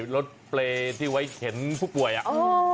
รถเปรย์ที่ไว้เข็นผู้ป่วยอ่ะ